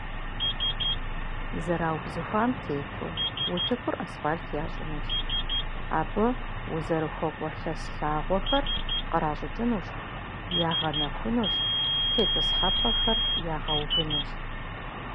Зэраубзыхуам тету утыкур асфальт ящӀынущ, абы узэрыхуэкӀуэ лъэс лъагъуэхэр къращӀыкӀынущ, ягъэнэхунущ, тетӀысхьэпӀэхэр ягъэувынущ.